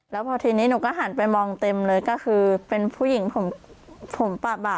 แล้วพอทีนี้หนูก็หันไปมองเต็มเลยก็คือเป็นผู้หญิงผมปะบะ